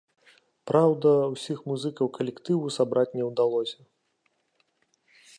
Праўда, усіх музыкаў калектыву сабраць не ўдалося.